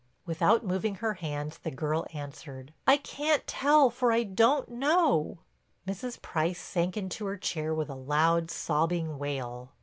Without moving her hands the girl answered: "I can't tell, for I don't know." Mrs. Price sank into her chair with a loud, sobbing wail.